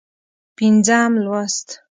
پينځم لوست